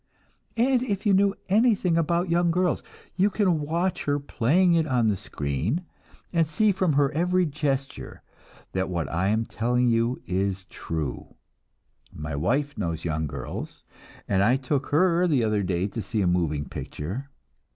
And if you know anything about young girls, you can watch her playing it on the screen, and see from her every gesture that what I am telling you is true. My wife knows young girls, and I took her, the other day, to see a moving picture.